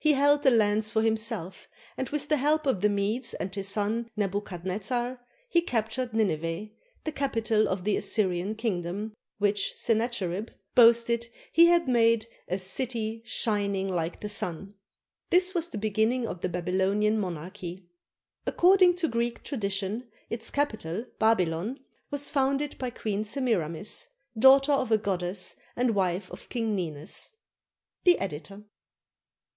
He held the lands for himself, and with the help of the Medes and his son Nebuchadnezzar he captured Nine veh, the capital of the Assyrian kingdom, which Sennacherib boasted he had made "a city shining like the sun." This was the beginning of the Babylonian monarchy. According to Greek tradition, its capital, Babylon, was founded by Queen Semiramis, daughter of a goddess and wife of King Ninus. The Editor.